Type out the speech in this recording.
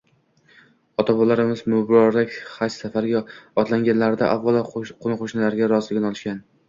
Ota-bobolarimiz muborak haj safariga otlanganlarida, avvalo qo‘ni-qo‘shnilarining roziligini olishgan